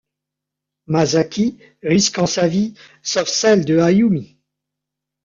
Masaki, risquant sa vie, sauve celle de Hayumi.